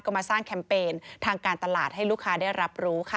ก็มาสร้างแคมเปญทางการตลาดให้ลูกค้าได้รับรู้ค่ะ